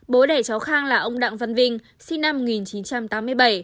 bố đẻ cháu khang là ông đặng văn vinh sinh năm một nghìn chín trăm tám mươi bảy